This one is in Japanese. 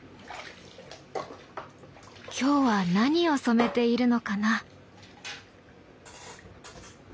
今日は何を染めているのかな？